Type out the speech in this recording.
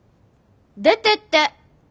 出てって！